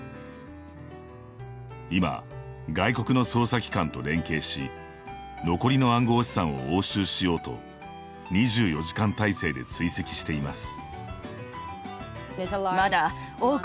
今、外国の捜査機関と連携し残りの暗号資産を押収しようと２４時間態勢で追跡しています。